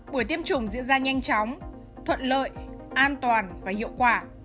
buổi tiêm chủng diễn ra nhanh chóng thuận lợi an toàn và hiệu quả